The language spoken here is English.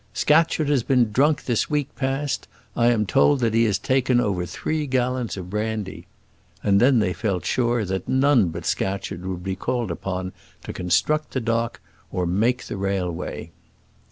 "Scatcherd has been drunk this week past; I am told that he has taken over three gallons of brandy." And then they felt sure that none but Scatcherd would be called upon to construct the dock or make the railway.